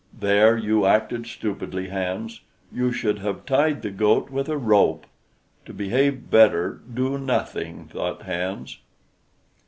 "There you acted stupidly, Hans; you should have tied the goat with a rope." "To behave better, do nothing," thought Hans.